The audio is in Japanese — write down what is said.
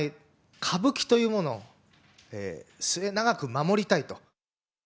歌舞伎というものを、末永く守りたいと。